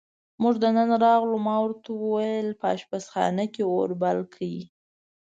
موږ دننه راغلو، ما ورته وویل: په اشپزخانه کې اور بل کړئ.